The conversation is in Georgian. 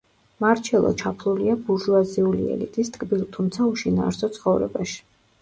მარჩელო ჩაფლულია ბურჟუაზიული ელიტის „ტკბილ“ თუმცა უშინაარსო ცხოვრებაში.